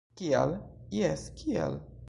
- Kial? - Jes, kial?